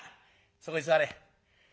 そこに座れ。